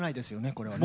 これはね。